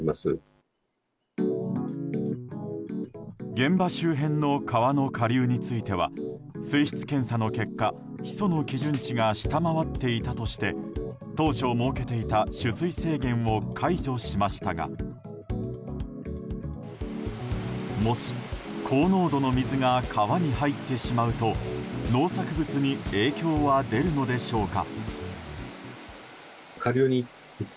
現場周辺の川の下流については水質検査の結果、ヒ素の基準値が下回っていたとして当初設けていた取水制限を解除しましたがもし、高濃度の水が川に入ってしまうと農作物に影響は出るのでしょうか。